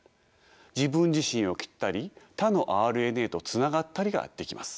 自分自身を切ったり他のＲＮＡとつながったりができます。